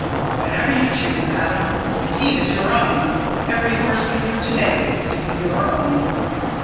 "Whenever you choose, Adam. The team is your own. Every horse we use to day is to be your own."